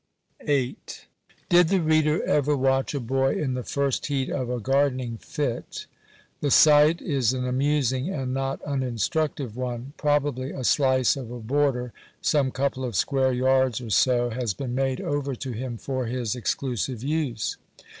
§8. Did the reader ever watch a boy in the first heat of a garden ing fit ? The sight is an amusing, and not uninstructive one. Probably a slice of a border — some couple of square yards or so — has been made over to him for his exclusive use.